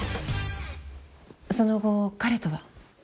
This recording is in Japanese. その後彼とは？